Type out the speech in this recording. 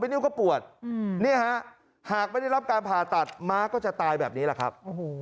นิ้วก็ปวดเนี่ยฮะหากไม่ได้รับการผ่าตัดม้าก็จะตายแบบนี้แหละครับ